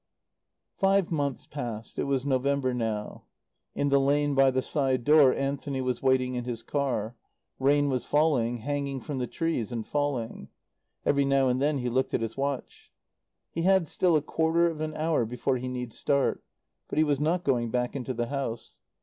Five months passed. It was November now. In the lane by the side door, Anthony was waiting in his car. Rain was falling, hanging from the trees and falling. Every now and then he looked at his watch. He had still a quarter of an hour before he need start. But he was not going back into the house.